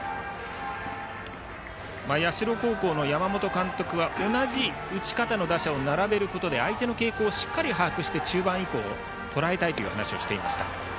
社高校の山本監督は同じ打ち方の打者を並べることで相手の傾向をしっかり把握して中盤以降とらえたいという話をしていました。